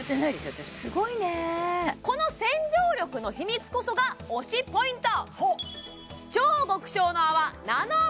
私すごいねこの洗浄力の秘密こそが推しポイント